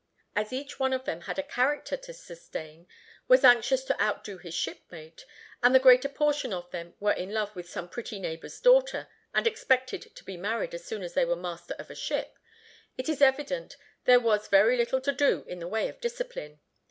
As each one of them had a character to sustain, was anxious to outdo his shipmate, and the greater portion of them were in love with some neighbor's daughter, and expected to be married as soon as they were master of a ship, it is evident there was very little to do in the way of discipline.